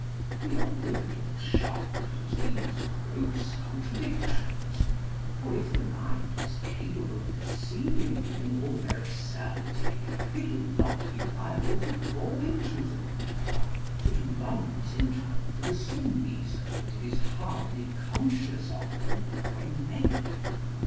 We are little shocked at these gross contradictions ; for if the mind was capable of perceiving them in all their absurdity, it would not be liable to fall into them. It runs into them for the same reason that it is hardly conscious of them when made.